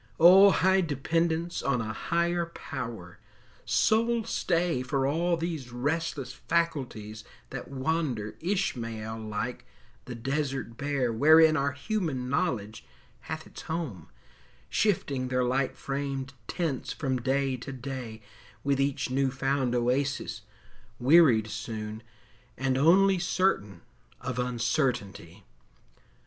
O, high dependence on a higher Power, Sole stay for all these restless faculties That wander, Ishmael like, the desert bare Wherein our human knowledge hath its home, Shifting their light framed tents from day to day, With each new found oasis, wearied soon, And only certain of uncertainty!